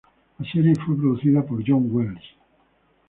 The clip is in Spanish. La serie fue producida por John Wells.